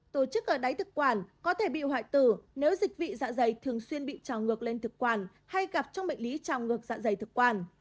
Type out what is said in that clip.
tổ chức ở đáy thực quản có thể bị hoại tử nếu dịch vị dạ dày thường xuyên bị trào ngược lên thực quản hay gặp trong bệnh lý trào ngược dạ dày thực quản